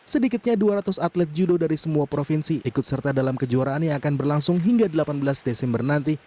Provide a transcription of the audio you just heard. sedikitnya dua ratus atlet judo dari semua provinsi ikut serta dalam kejuaraan yang akan berlangsung hingga delapan belas desember nanti